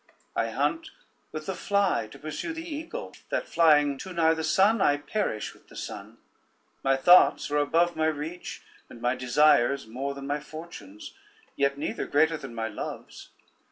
I hunt with the fly to pursue the eagle, that flying too nigh the sun, I perish with the sun; my thoughts are above my reach, and my desires more than my fortunes, yet neither greater than my loves.